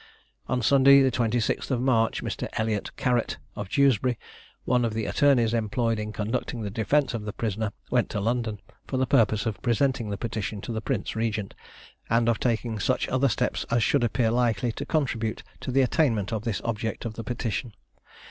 On Sunday, the 26th March, Mr. Elliot Carrett, of Dewsbury, one of the attorneys employed in conducting the defence of the prisoner, went to London, for the purpose of presenting the petition to the Prince Regent, and of taking such other steps as should appear likely to contribute to the attainment of this object of the petition.